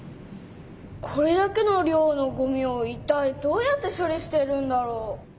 これだけの量のごみをいったいどうやって処理してるんだろう？